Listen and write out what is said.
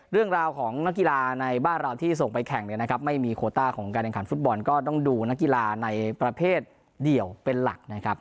เรื่องราวของนักกีฬาในบ้านเราที่ส่งไปแข่งเนี่ยนะครับไม่มีโคต้าของการแข่งขันฟุตบอลก็ต้องดูนักกีฬาในประเภทเดี่ยวเป็นหลักนะครับ